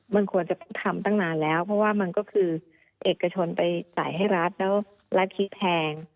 มันควรจะต้องทำตั้งนานแล้วเพราะว่ามันก็คือเอกชนไปจ่ายให้รัฐแล้วรัฐธิแพง